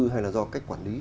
hay là do cách quản lý